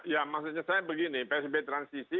ya maksudnya saya begini psbb transisi